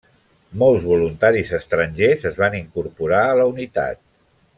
Molts voluntaris estrangers es van incorporar a la unitat.